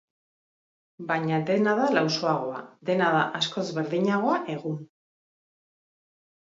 Baina dena da lausoagoa, dena da askoz berdinagoa egun.